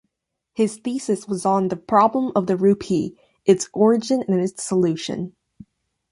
His thesis was on "The problem of the rupee: Its origin and its solution".